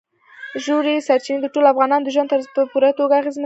ژورې سرچینې د ټولو افغانانو د ژوند طرز په پوره توګه اغېزمنوي.